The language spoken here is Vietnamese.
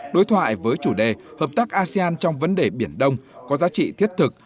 đối thoại với chủ đề hợp tác asean trong vấn đề biển đông có giá trị thiết thực